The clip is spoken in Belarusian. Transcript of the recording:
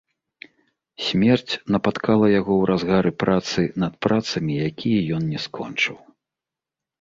Смерць напаткала яго ў разгары працы над працамі, якія ён не скончыў.